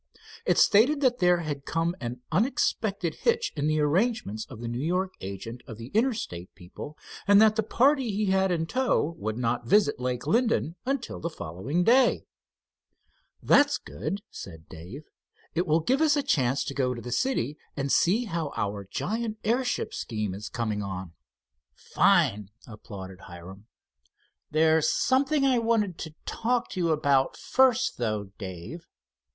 It stated that there had come an unexpected hitch in the arrangements of the New York agent of the Interstate people, and that the party he had in tow would not visit Lake Linden until the following day. "That's good," said Dave. "It will give us a chance to go to the city and see how our giant airship scheme is coming on." "Fine!" applauded Hiram. "There's something I wanted to talk to you about first, though, Dave."